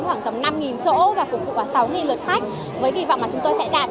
ba chỗ và phục vụ sáu lượt khách